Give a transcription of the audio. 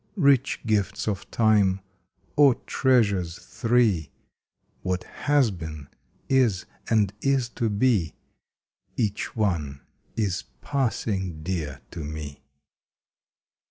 Rich gifts of Time! O treasures three What Has Been, Is, and Is To Be Each one is passing dear to me!